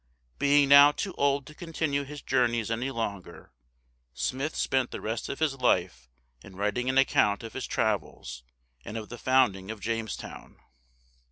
Being now too old to continue his journeys any longer, Smith spent the rest of his life in writing an account of his travels and of the founding of Jamestown.